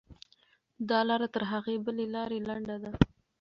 دا لاره تر هغې بلې لارې لنډه ده.